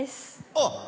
あっ！